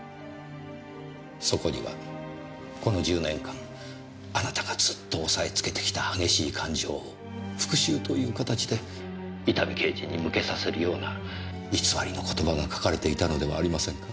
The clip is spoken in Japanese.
そこにはこの１０年間あなたがずっと抑えつけてきた激しい感情を復讐という形で伊丹刑事に向けさせるような偽りの言葉が書かれていたのではありませんか？